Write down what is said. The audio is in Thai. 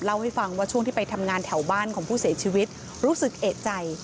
เล่าให้ฟังว่าช่วงที่ไปทำงานแถวบ้านของผู้เสียชีวิตรู้สึกเอกใจ